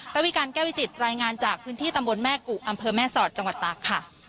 ระวิการแก้วิจิตรายงานจากพื้นที่ตำบลแม่กุอำเภอแม่สอดจังหวัดตากค่ะ